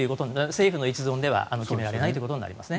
政府の一存では決められないとなりますね。